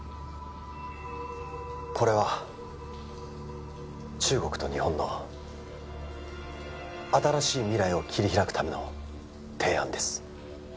これは中国と日本の新しい未来を切り開くための提案です